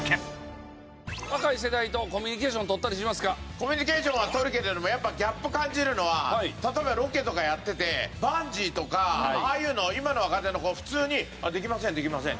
コミュニケーションは取るけどやっぱギャップ感じるのは例えばロケとかやっててバンジーとかああいうの今の若手の子普通に「できませんできません」